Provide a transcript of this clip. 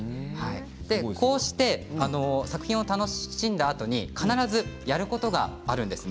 こうして作品を楽しんだあとに必ずやることがあるんですね。